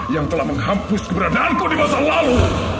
yang telah menghampus keberadaanku di masa lalu